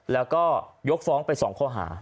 แล้วก็ยกฟ้องไป๒ข้อหา